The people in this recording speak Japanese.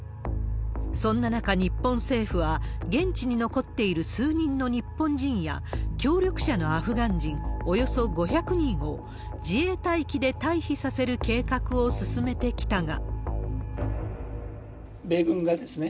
そんな中、日本政府は現地に残っている数人の日本人や、協力者のアフガン人およそ５００人を、自衛隊機で退避させる計画を進めてきたが。